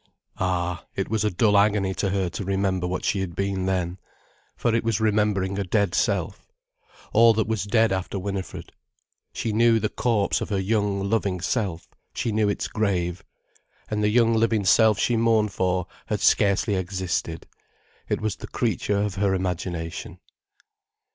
Ah, it was a dull agony to her to remember what she had been then. For it was remembering a dead self. All that was dead after Winifred. She knew the corpse of her young, loving self, she knew its grave. And the young living self she mourned for had scarcely existed, it was the creature of her imagination.